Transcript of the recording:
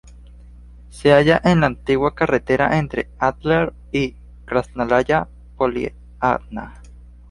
Se halla en la antigua carretera entre Ádler y Krásnaya Poliana.